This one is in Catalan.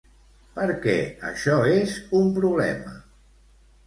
Per què això és un problema?